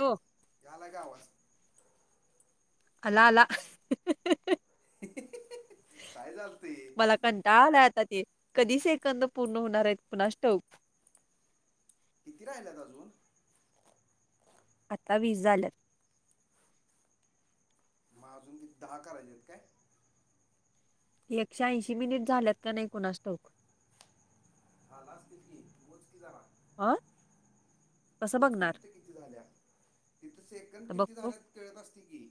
हो. याला का आवाज. अला अला. काय झालते? मला कंटाळा आलाय आता ते, कधी सेकंद पूर्ण होणार आहेत कुणास ठाऊक? किती राहिल्यात अजून? आता वीस झाल्यात. मग अजून किती, दहा करायचे आहेत काय? एकशे ऐंशी मिनिट झाल्यात का नाही कुणास ठाऊक? झाल असत्याल की, मोज की जरा. आ मोज कि तिथं किती झाल्या, तिथं सेकंद तर किती बघतो. झाल्यात कळत असते कि.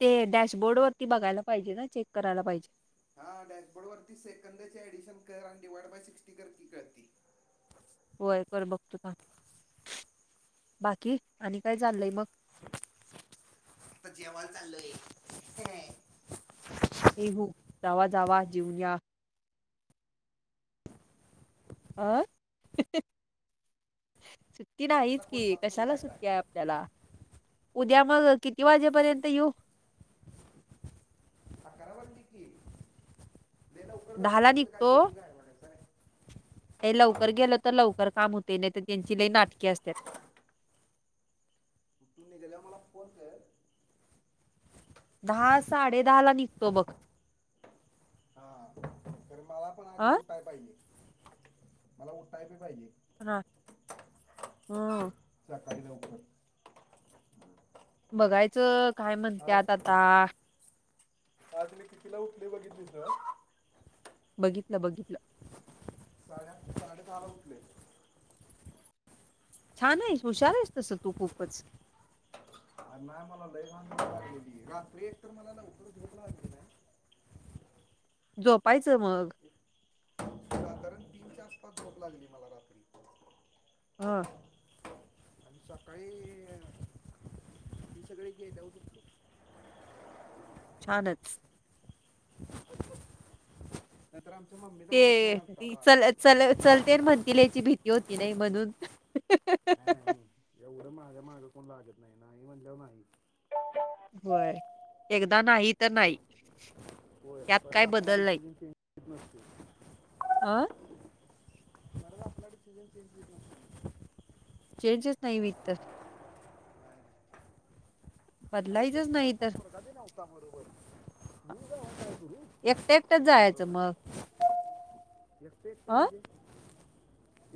ते डॅशबोर्ड वरती बघायला पाहिजे ना, चेक करायला पाहिजे. हा डॅशबोर्ड वरती सेकंदाचे ऍडिशन कर आणि डिवाइड बाय सिक्स्टी कर की, कळतंय. होय बर बघतो थांब, बाकी आणि काय चाललय मग? आता जेवाण चाललंय. हे हो, जावा जावा जेऊन घ्या. अ, सुट्टी नाहीच की, खोदबाज करून कशाला घ्यायचा सुट्टी हाय आप ल्याला, उद्या मग किती वाजेपर्यंत येऊ? अकरा वाजता ये की. लय लवकर जाऊन ला तु तिथं काय निघतो. जेवण जायला वाढायचंय? लय लवकर गेलो तर लवकर काम होते, नाहीतर त्यांची लई नाटके असतात. तु निघल्यावर मला फोन कर. दहा साडे दहा ला निघतो बघ. हा, कारण मला पण अ आधी उठाय पाहिजे, मला उठाय बी पाहिजे. हा, हम्म सकाळी लवकर बघायचं काय म्हणतात आज आता आज मी कितीला उठलोय बघितलीस न बघितलं बघितलं. साडे आठ साडे दहाला उठलोय. छान आहेस, हुशार आहेस तसं तू खूपच. आर नाही मला लय [unintelligible] लागलेली, रात्री एकतर मला लवकर झोप लागली नाय. झोपायचं मग. साधारण तीनच्या आसपास झोप लागली मला रात्री. हा आणि सकाळी, ही सगळी गेल्यावरच उ छानच. [unintelligible] नाहीतर आमच्या म्म्म ते, ती चल चल चलतेन म्हणते लयची भीती होती नाही म्हणून. नाही नाही एवढं माझ्या मागं कोण लागत नाही, नाही म्हणल्यावर नाही. होय, एकदा नाही तर नाही. होय, त्यात परत काय आपला बदल नाही डिसिजन चेंज होत नसतोय. आं परत आपला डिसिजन चेंज होत नसतोय. चेंजच नाही मी तर अगं त्या बदलायचंच नाही सरांचा तर पोरगा बी नव ता बरोबर, मी जाऊन काय करू एकटं एकटंच तुमच्या जायचं बरोबर? मग एकटं एकटं अ म्हणजे,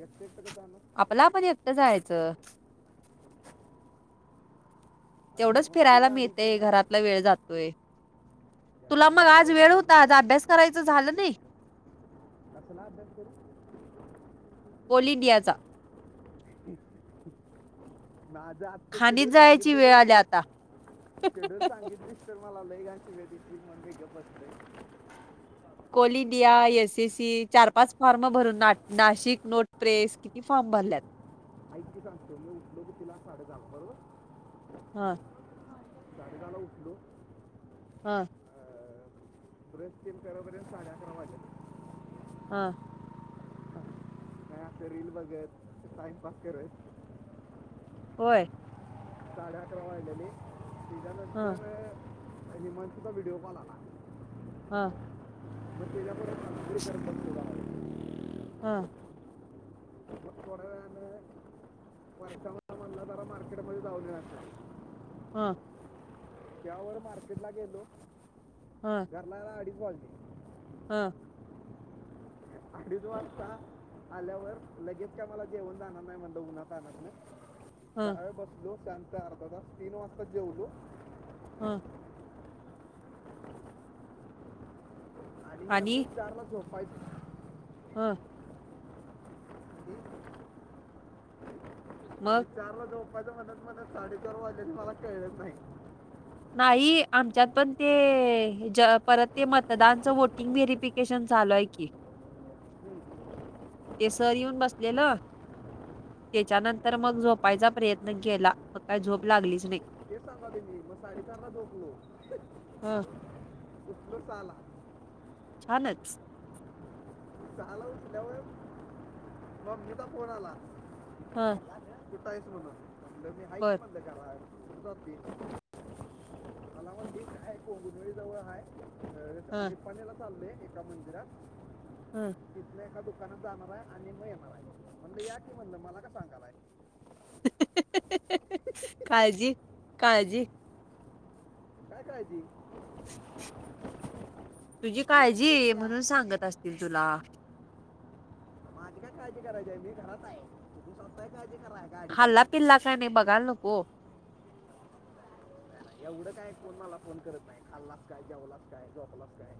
एकटं एकटं कसं आण आपला आपण एक जायचं तेवढंच अगं मोठी फिरायला गाडी मिळतेय त्यांना असं घरातला वेळ जातोय तुला त्यांना मग आज ड्रायव्हर वेळ पाहिजे होता आ अभ्यास करायचं झालं नाही अस सला भते पलिंडियाचा माझा ते खाणीत शेड्यूल जायची सांगितले वेळ तर आली आता. शेड्यूल सांगितली तर मला लैघांची भेटीसली म्हण काही गपत नाही कोलिडिया एससी चार पाच फॉर्म भरून नाशिक नोटप्रेस फॉ्म भरल्या ऐककी सांगतो मी उठलो की तिला साडे दहा बरोबर हा साडेकाला उठलो हा ब्रेसन कररे साडे अकरा वाजे हा नाही असले रील बघत टाइमपास करत होय साडे अकरा वाढलेली ह त्याच्यानंतर लिमंत तुा व्हिडिओ कॉल आला हां म हा थोड व वार मणलारा मार्केटमध्येध्ये जाऊ हां त्यावर मार्केट ला गेलो हा घरलाला अडीपवाल्टी हा अडीच वाजता आल्यावर लगेच काय मला जेवण जाणार नाही म्हणड उन्हात आणणार नाही ह दहावे बसलो श्यात अर्धा तास तीन वाजता जेवलो हां आणि नरी चारला झोपायचं हां ह मग आणि चारला झोपायचं म्हणत म्हण साडेचार वाजेल मला कळलंत नाही नाही आमच्यात पण ते परत ते मतदानच वोटिंग वरी पिक केशन चालू आहे की हम्म. ते सर येऊन बसलेलं त्याच्यानंतर मग झोपायचा प्रयत्न केला मग काय झोप लागलीच नाही ां दिली मग सािकांना झोकलो हा उठल साला छानच झाला उठल्यावर मग मीदा फोन आला हा ठाय म्हण बर. आलामात दी ख आहेो गुधरी जावळ ख आहे हं. आणि पाण्याला चाललंय एका मंदिरात हम् तिथलं एका दुकानात जाणार आहे आणि म येणार आहे म्हणलं या की म्हणलं मला का सांगालाय काळजी काळजी काय करायची. तुझी कसं यायच तसं काळजी या म्हणून सांगत असतील तुला, माझी काय काळजी करायची आहे मी घरात आहे तु स्वतःय काळजी कराय. खाल्लं पिल्ला काय नाही बघाय नको. एवढं काय कोण मला फोन करत नाही खाल्लाच काय जेवलाच काय, झोपलास काय.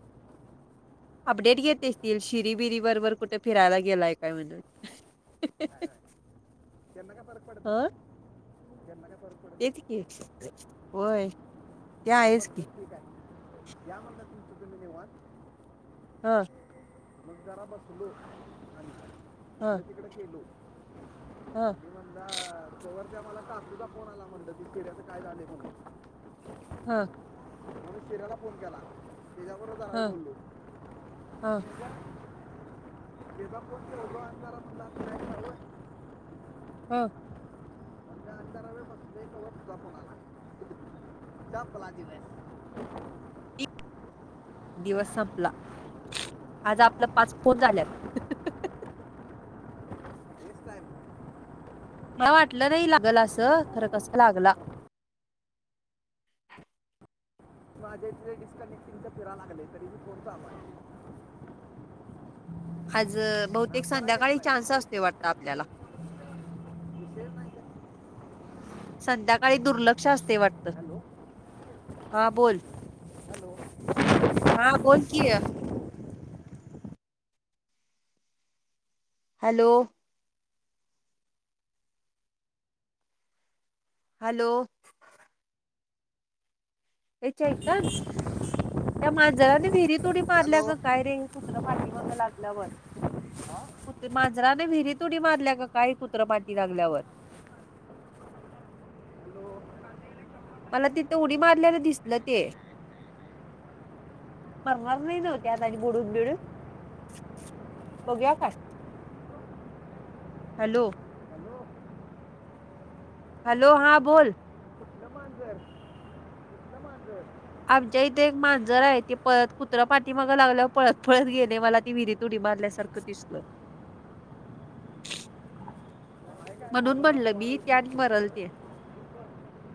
अपडेट घेततील शिरी बरी बरोबर कुठे फिरायला गेलाय काय म्हणून.. त्यांन काय फरक पडत त्यांन का फरक पडत तेेत नाही की होय ते मग आहेच की म्हटलं ठीक आहे यामला तुमचं धन्यवाद हा मग जरा बसलो आणि इकडे तिकडे केलो हां म्हणज तोवरच्या मला काकूचा फोन आला म्हणत की केल्याचं काय आले को. हा श त्याला फोन केला तेच्या बरोबर जरा वेळ हं, बोललो. हं, केणोणार [inaudible] हम त्या आचरा [inaudible] वे फसझा फोन आला ज मला दिवस दिवस संपला आज आपला पाच फोन झाल्यात. ए टाइप मला वाटलं नाही लागल असं खरं कस लागला. माझे इथे डिस्कनेक्टिंगचे फिरा लागले तरी मी कोणत अय आज बहुतेक संध्याकाळी चान्स असते वाटत आपल्याला वि [unintelligible] संध्याकाळी दुर्लक्ष असते वाट हॅलो. हां बोल हॅलो हां बोल कि हा हॅलो. हॅलो. ए चैतन त्या मांजराने विहिरी उडी मारल्या का हॅलो काय रे? कुत्र पाठी माग लागल्यावर. कुत मांजराने विहिरी तुडी मारल्या का काय कुत्र पाटी लागल्यावर. हॅलो मला तिथं उडी मारल्याल दिसल ते. मारणार नहीं नव ते आता आणि बुडून बिडून. बगुया काय हॅलो. हॅलो. हॅलो हां बोल. कुठलं मांझर कुठलं मांजर. आमच्या इथे एक मांजर आहे ते पळत कुत्र पाठीमाग लागल्याव पळत पळत गेलेय मला ते विहिरीत उडी मारल्यासारखं क दिसलंय. काय काय म्हणून मांजराला म्हणलं पोहायला मी येत त्या आणि नसते मरलते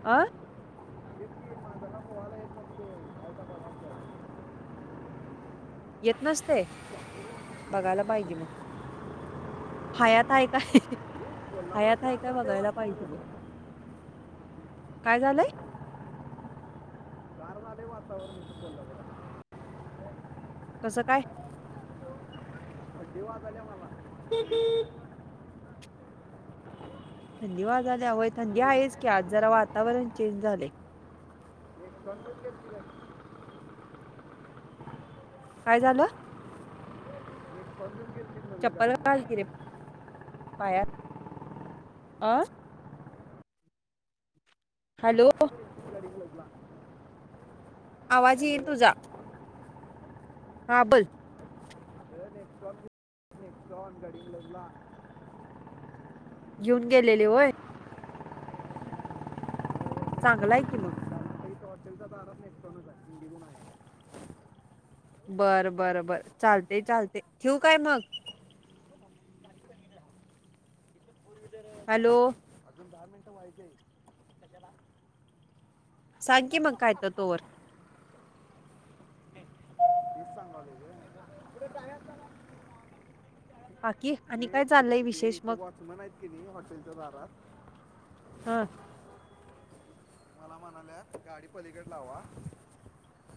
अ [inaudible] येत नसतय बघायला पाहिजे मग. हयात हाय का कोल्हापुरात हयात हाय गार का झाले बघायला पाहिजे वातावरण मग. काय झालंय. गार झाले वातावरण ब कोल्हापुरात. कस काय. थंडी वाजलीया मला. थंडी वाजाल्या वय थंडी आहेच की आज जरा वातावरण चेंज झालंय. एक. [unintelligible] [inaudible] काय झालं. [inaudible] मिस्सकॉल [unintelligible] चप्पल- घाल की रे -पायात अ हॅलो. [inaudible] आवाज येईनं तुझा. हा बोल. [inaudible] [unintelligible] गडिंगलजला. येेऊन गेलेली होय. चांगलाय की मग. [inaudible] सकाळी टॉर्चलच्या दारात. [unintelligible] [inaudible] [unintelligible] बरं -बरं- बर चालतय- चालतय ठेऊ काय मग. हॅलो. अजून दहा मिनट मिनिटं व्हायच्यात. कशाला. सांगकी मग कायतर तोवर. [inaudible] [unintelligible] बाकी आणि काय चाललंय विष इथ वॉचमन आहेत कणी ही हॉटेलच्या दारात [inaudible] हा. [inaudible] म्हणाल्यात गाडी पलीकड लावा.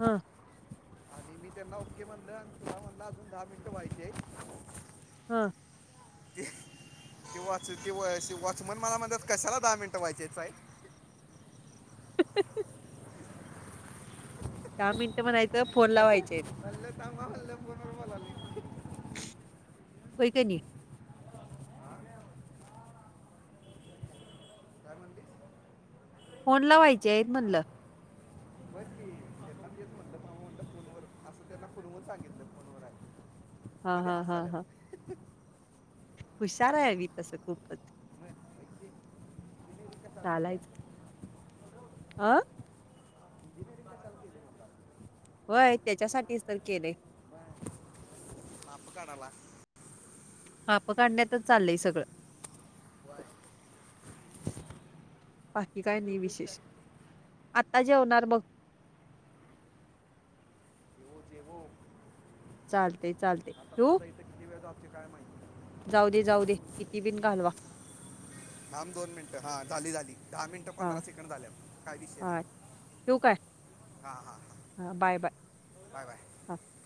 हा. आणि मी त्यांना ओके म्हणलं [inaudible] आणि तुला म्हणलं अजून दहा मिनटं व्हायचीयत. हा. [unintelligible] ते. [inaudible] [inaudible] किं वाच कं- वाॅचमन मला म्हणतात कशाला दहा मिनिटं व्हायच्यात साहेब [inaudible] धा मिनिटं म्हणायचं फोन [inaudible] मल् लावायचे आहेत. -मल्ह थांबा मल्ह फोनवर बोलालोय [inaudible] व्हय कनी काय म्हटलीस [inaudible] फोन ला व्हायचे आहेत म्हणलं बघ की [unintelligible] येत म्हटलं मा म्हटलं फोन व अस त्याला ख [unintelligible] [unintelligible] हो सांगितलं फोनवर [inaudible] हा- हा -हा- हा हसाल्यात हुशार आहे आम्ही तसं खूपच मग ते- कशाला चालायच अ धीम धमे लते [inaudible] [unintelligible] होय त्याच्यासाठीच तर केलय बा [unintelligible] [inaudible] आपप काडाला [unintelligible] माप काढण्यातच चाललंय सगळं व्हय [inaudible] बाकी काय नाही विशेष आता जेवणार बघ येव देव [unintelligible] [inaudible] चालतय- चालतय ठेऊ काय माहीत जाऊ दे जाऊ दे किती बिन घालवा थांब दोन मिनिटं हा झाली झाली दहा मिनिटं "हां, पंधरा सेकंड झाल्यात काय विषय नाही. हां हां हां हं बाय बाय. Bye bye. हां, हां."